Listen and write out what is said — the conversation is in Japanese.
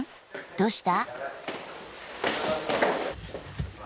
どうした？